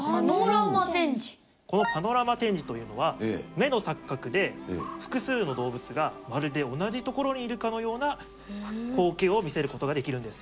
このパノラマ展示というのは目の錯覚で複数の動物がまるで同じところにいるかのような光景を見せることができるんです。